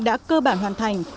đã cơ bản hoàn thành